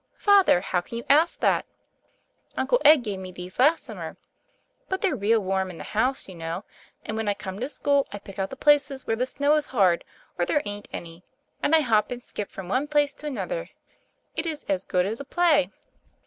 "Father, how can you ask that? Uncle Ed gave me these last summer. But they're real warm in the house, you know. And when I come to school I pick out the places where the snow is hard or there ain't any, and I hop and skip from one place to another. It is as good as a play."